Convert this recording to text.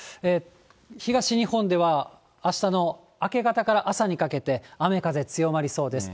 東日本では、あしたの明け方から朝にかけて、雨風強まりそうです。